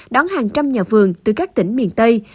đón hàng trăm nhà vườn từ các tỉnh miền tây